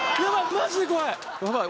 マジで怖い！